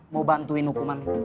mau bantuin hukuman